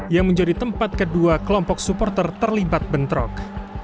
yang menjadi tempat kedua kelompok supporter terlibat bentrok